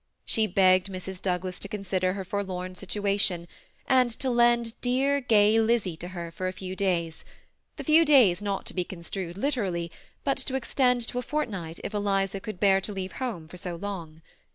She begged Mrs. Doug las to consider her forlorn situation, and to lend dear, gay Lizzy to her for a few days, — the few days not to be construed literally, but to extend to a fortnight if Eliza could bear to leave home for so long.